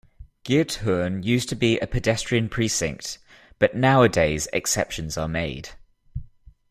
Giethoorn used to be a pedestrian precinct, but nowadays exceptions are made.